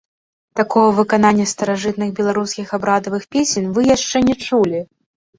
Такога выканання старажытных беларускіх абрадавых песень вы яшчэ не чулі!